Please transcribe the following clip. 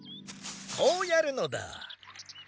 こうやるのだ。